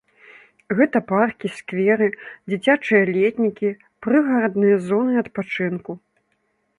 Гэта паркі, скверы, дзіцячыя летнікі, прыгарадныя зоны адпачынку.